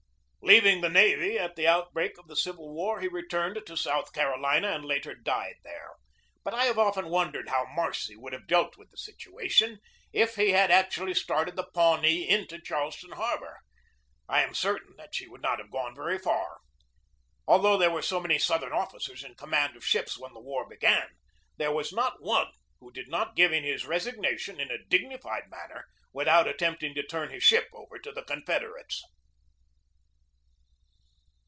Leaving the navy at the outbreak of the Civil War, he returned to South Carolina, and later died there; but I have often wondered how Marcy would have dealt with the situation if he had actually started the Pawnee into Charleston harbor. I am certain that she would not have gone very far. Although there were so many Southern officers in command of ships when the war began, there was not one who did not give in his resignation in a dig nified manner, without attempting to turn his ship over to the Confederates.